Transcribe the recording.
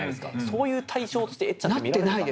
そういう対象としてエッちゃんって見られてた？